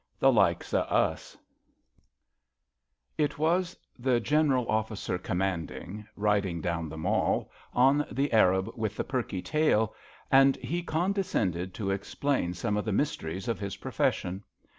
THE LIKES 0' US T T was the General Oflficer Commanding, riding ''■ down the Mall, on the Arab with the perky tail, and he condescended to explain some of the mysteries of his profession.